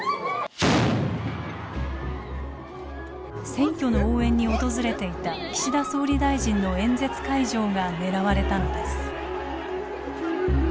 選挙の応援に訪れていた岸田総理大臣の演説会場が狙われたのです。